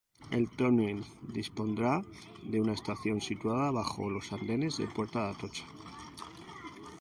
El túnel dispondrá de una estación situada bajo los andenes de Puerta de Atocha.